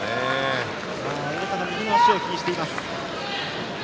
太田が右の足を気にしています。